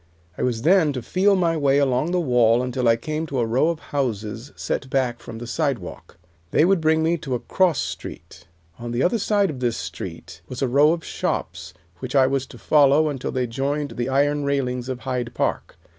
I was then to feel my way along the wall until I came to a row of houses set back from the sidewalk. They would bring me to a cross street. On the other side of this street was a row of shops which I was to follow until they joined the iron railings of Hyde Park.